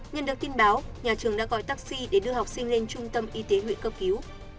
nhận được tin báo nhà trường đã gọi taxi để đưa học sinh lên trung tâm y tế huyện cấp cứu